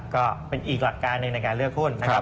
ก็เป็นอีกหลักการหนึ่งในการเลือกหุ้นนะครับ